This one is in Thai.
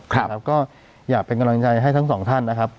ครับก็อยากเป็นกำลังใจให้ทั้งสองท่านนะครับ